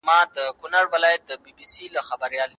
ستر انسان و بې